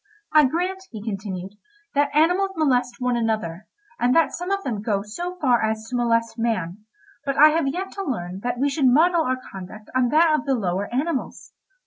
"I grant," he continued, "that animals molest one another, and that some of them go so far as to molest man, but I have yet to learn that we should model our conduct on that of the lower animals.